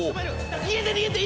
逃げて逃げて。